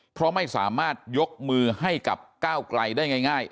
เพราะไม่สามารถยกมือให้กับก้าวไกลได้ง่าย